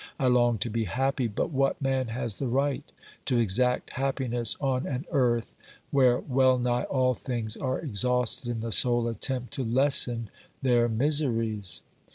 I long to be happy ! But what man has the right to exact happiness on an earth where well nigh all things are exhausted in the sole attempt to lessen their miseries.